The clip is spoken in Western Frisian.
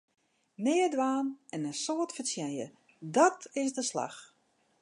Neat dwaan en in soad fertsjinje, dàt is de slach!